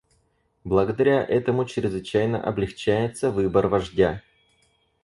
Благодаря этому чрезвычайно облегчается выбор вождя.